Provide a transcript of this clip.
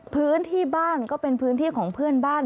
พื้นที่บ้านก็เป็นพื้นที่ของเพื่อนบ้าน